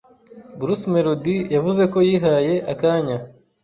Bruce Melodie yavuze ko yihaye akanya